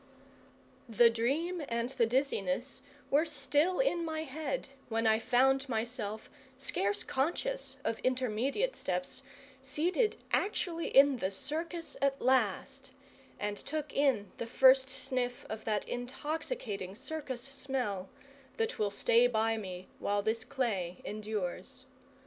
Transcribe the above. The dream and the dizziness were still in my head when I found myself, scarce conscious of intermediate steps, seated actually in the circus at last, and took in the first sniff of that intoxicating circus smell that will stay by me while this clay endures.